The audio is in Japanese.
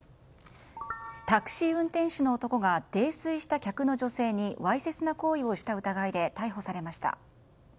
タクシー運転手の男が泥酔した客の女性にわいせつな行為をした疑いで逮捕されました。